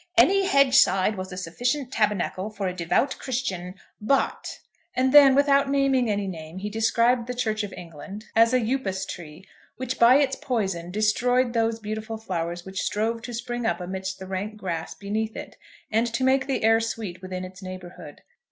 Any hedge side was a sufficient tabernacle for a devout Christian. But ," and then, without naming any name, he described the Church of England as a Upas tree which, by its poison, destroyed those beautiful flowers which strove to spring up amidst the rank grass beneath it and to make the air sweet within its neighbourhood.